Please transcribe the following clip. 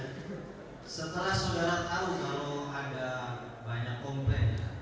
setelah saudara tahu kalau ada banyak komplain